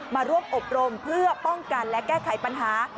มาร่วมอบรมเพื่อป้องกันและแก้ไขปัญหา